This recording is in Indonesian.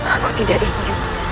aku tidak ingin